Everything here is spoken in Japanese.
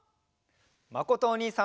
まことおにいさんも！